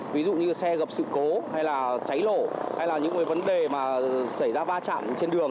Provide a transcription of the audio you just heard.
ví dụ như xe gặp sự cố hay là cháy nổ hay là những vấn đề mà xảy ra va chạm trên đường